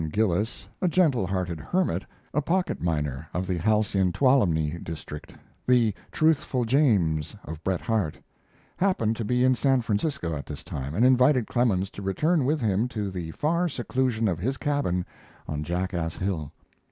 Gillis, a gentle hearted hermit, a pocket miner of the halcyon Tuolumne district the Truthful James of Bret Harte happened to be in San Francisco at this time, and invited Clemens to return with him to the far seclusion of his cabin on Jackass Hill.